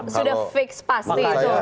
sudah fix pasti itu